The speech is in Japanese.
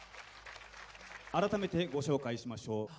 改めてご紹介しましょう。